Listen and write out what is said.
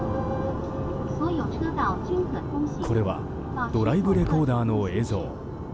これはドライブレコーダーの映像。